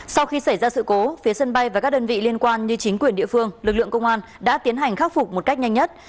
sau khi xảy ra sự cố phía sân bay và các đơn vị liên quan như chính quyền địa phương lực lượng công an đã tiến hành khắc phục một cách nhanh nhất